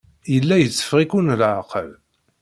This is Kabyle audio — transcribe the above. Yella yetteffeɣ-iken leɛqel.